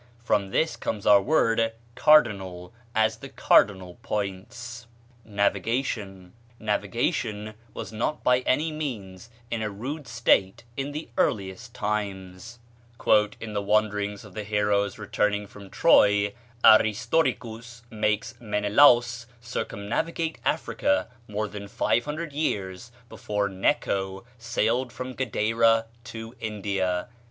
From this comes our word "cardinal," as the cardinal points. Navigation. Navigation was not by any means in a rude state in the earliest times: "In the wanderings of the heroes returning from Troy, Aristoricus makes Menelaus circumnavigate Africa more than 500 years before Neco sailed from Gadeira to India."